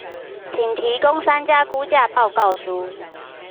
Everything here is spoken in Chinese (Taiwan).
請提供三家估價報告書